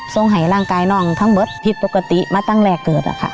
ทรงไหล่ร่างกายน้องทั้งหมดผิดปกติมาตั้งแรกเกิด